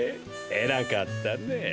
えらかったね。